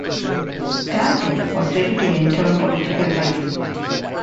Talbot was ready to enter political life.